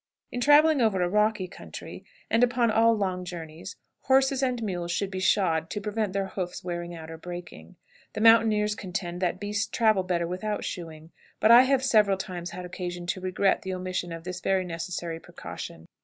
In traveling over a rocky country, and upon all long journeys, horses and mules should be shod, to prevent their hoofs wearing out or breaking. The mountaineers contend that beasts travel better without shoeing, but I have several times had occasion to regret the omission of this very necessary precaution.